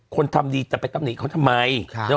คนทำดีจะไปตำหนิเขาทำไม